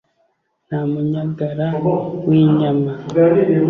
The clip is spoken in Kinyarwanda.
Nta munyagara w’inyama.